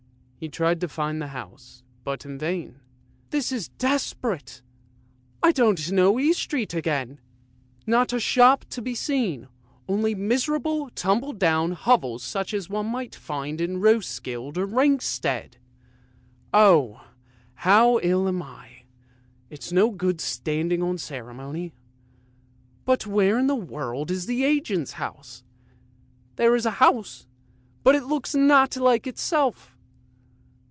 " He tried to find the house, but in vain. " This is desperate! I don't know East Street again! Not THE GOLOSHES OF FORTUNE 313 a shop to be seen, only miserable, tumble down hovels such as one might find in Roeskilde or Ringsted. Oh! how ill I am, it's no good standing on ceremony. But where in the world is the agent's house? There is a house, but it's not like itself!